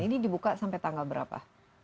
ini dibuka sampai tanggal berapa